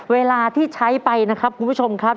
เวลาที่ใช้ไปนะครับคุณผู้ชมครับ